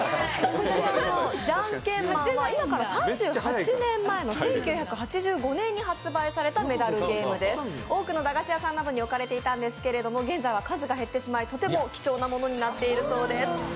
こちらの「ジャンケンマン」は今から３８年前に発売されてメダルゲームなんですが、多くの駄菓子屋さんなどに置かれていたんですけど、現在は数が減ってしまいとても貴重なものになっているそうです。